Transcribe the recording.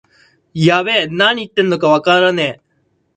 やべえ、なに言ってんのかわからねえ